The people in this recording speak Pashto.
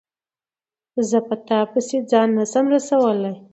زه په تا پسي ځان نه سم رسولای